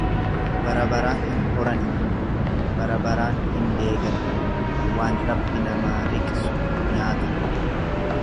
Bara baraan hin horani, bara baraan hin deegan, waan Rabbi namaa riqsu nyaatan.